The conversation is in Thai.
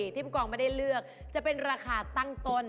ที่ผู้กองไม่ได้เลือกจะเป็นราคาตั้งต้น